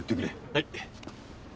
はい。